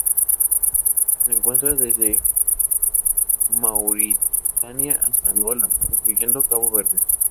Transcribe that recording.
Se encuentra desde Mauritania hasta Angola, incluyendo Cabo Verde.